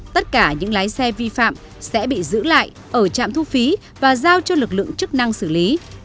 tất cả những lái xe vi phạm sẽ bị giữ lại ở trạm thu phí và giao cho lực lượng chức năng xử lý